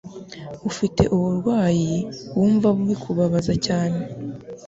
ufite uburwayi wumva bikubabaza cyane